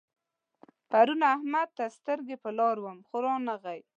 پرون احمد ته سترګې پر لار وم خو نه راغی.